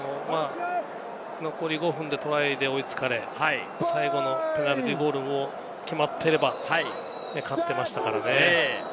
残り５分でトライで追いつかれ、最後のペナルティーゴールが決まっていれば勝っていましたからね。